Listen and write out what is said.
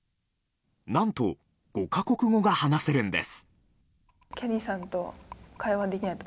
何と、５か国語が話せるんです。